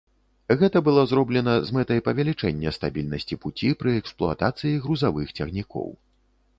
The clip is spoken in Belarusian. Гэта было зроблена з мэтай павялічэння стабільнасці пуці пры эксплуатацыі грузавых цягнікоў.